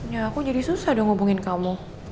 ya kok jadi susah dong ngubungin kamu